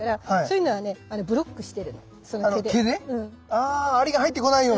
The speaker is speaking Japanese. あアリが入ってこないように。